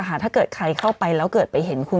ถ้าเกิดใครเข้าไปแล้วเกิดไปเห็นคุณ